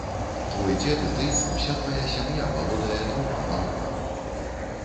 Твой дзед і ты, уся твая сям'я валодае двума валокамі.